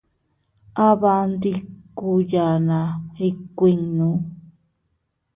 Aaban ndikuu yaanna ikuuinnu.